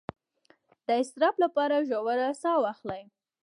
د اضطراب لپاره ژوره ساه واخلئ